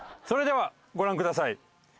それではご覧ください。